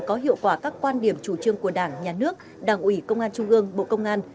có hiệu quả các quan điểm chủ trương của đảng nhà nước đảng ủy công an trung gương bộ công an